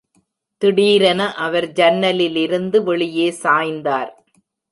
திடீரென அவர் ஜன்னலிலிருந்து வெளியே சாய்ந்தார்.